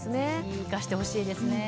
生かしてほしいですね。